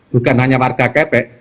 bukan hanya warga kepek